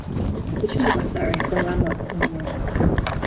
The Chimney Bluffs area has been a landmark for many years.